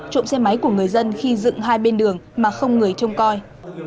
trộm xe máy của người dân khi dựng hai bên đường mà không người trông coi